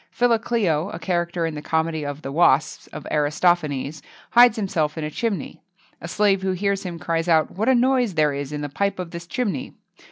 Philocleo, a character in the comedy of the "Wasps" of Aristophanes, hides himself in a chimney. A slave who hears him, cries out, "What a noise there is in the pipe of this chimney!"